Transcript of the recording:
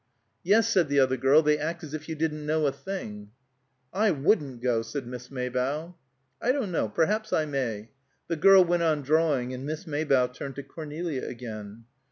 "Yes," said the other girl. "They act as if you didn't know a thing." "I wouldn't go," said Miss Maybough. "I don't know. Perhaps I may." The girl went on drawing, and Miss Maybough turned to Cornelia again.